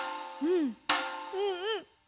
うんうん。